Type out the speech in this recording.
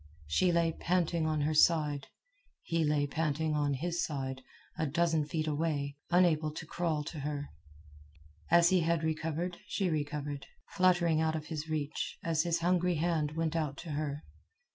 She lay panting on her side. He lay panting on his side, a dozen feet away, unable to crawl to her. And as he recovered she recovered, fluttering out of reach as his hungry hand went out to her.